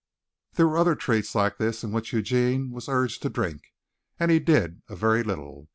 There were other treats like this in which Eugene was urged to drink, and he did a very little.